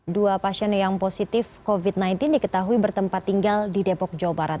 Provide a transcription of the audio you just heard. dua pasien yang positif covid sembilan belas diketahui bertempat tinggal di depok jawa barat